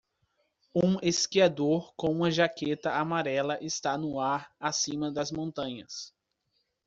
Um esquiador com uma jaqueta amarela está no ar acima das montanhas.